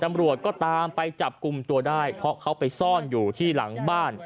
ตำรวจก็ตามไปจับกลุ่มตัวได้เพราะเขาไปซ่อนอยู่ที่หลังบ้าน